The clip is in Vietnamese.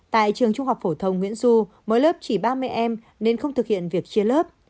tại trường trung học phổ thông nguyễn du mỗi lớp chỉ ba mươi em nên không thực hiện việc chia lớp